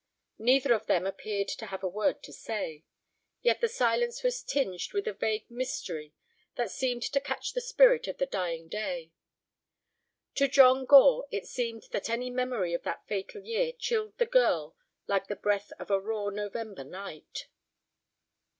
Neither of them appeared to have a word to say. Yet the silence was tinged with a vague mystery that seemed to catch the spirit of the dying day. To John Gore it seemed that any memory of that fatal year chilled the girl like the breath of a raw November night.